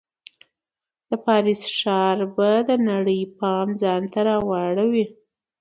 د پاریس ښار به د نړۍ پام ځان ته راواړوي.